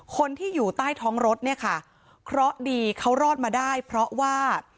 คนที่อยู่ใต้ท้องรถเนี่ยค่ะเคราะห์ดีเขารอดมาได้เพราะว่า